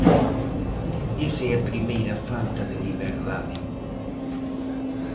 Esa é a primeira falta de liberdade.